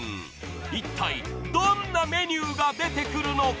［いったいどんなメニューが出てくるのか？］